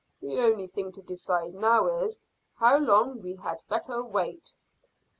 "The only thing to decide now is, how long had we better wait?"